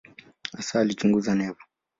Hasa alichunguza neva.